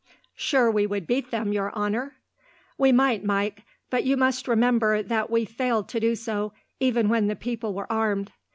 "Sure we would beat them, your honour." "We might, Mike; but you must remember that we failed to do so, even when the people were armed.